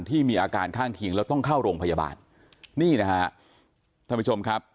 ที่มีอาการข้างเคียงแล้วต้องเข้าโรงพยาบาลนี่นะฮะท่านผู้ชมครับ